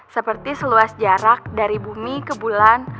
seperti seluas jarak dari bumi ke bulan